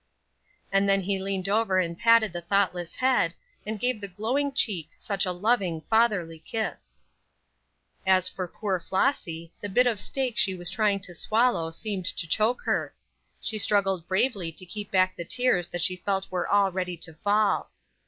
And then he leaned over and patted the thoughtless head, and gave the glowing cheek such a loving, fatherly kiss. As for poor Flossy, the bit of steak she was trying to swallow seemed to choke her; she struggled bravely to keep back the tears that she felt were all ready to fall.